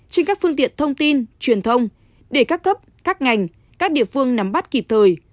trên các phương tiện thông tin truyền thông để các cấp các ngành các địa phương nắm bắt kịp thời